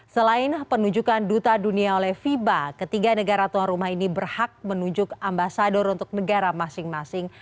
selain penunjukan duta dunia oleh fiba ketiga negara tuan rumah ini berhak menunjuk ambasador untuk negara masing masing